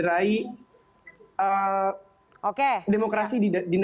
apa yang terjadi